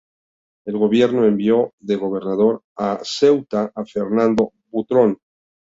El Gobierno envió de gobernador a Ceuta a Fernando Butrón.